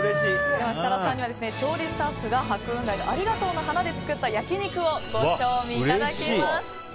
設楽さんには調理スタッフが白雲台のありがとうの花で作った焼き肉をご賞味いただきます。